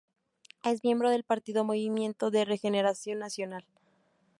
Es miembro del partido Movimiento de Regeneración Nacional.